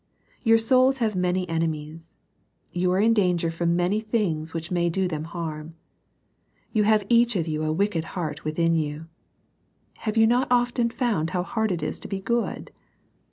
Your souls have many enemies. You are in danger firom many things which may do them harm. You have each of you a wicked heart within you. Have you not often found how hard it is to be good?